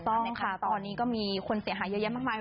เลยค่ะตอนนี้ก็มีคนเสียหายเยอะแยะมากมาย